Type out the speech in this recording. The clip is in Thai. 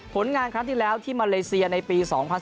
ผลงานครั้งที่แล้วที่มาเลเซียในปี๒๐๑๙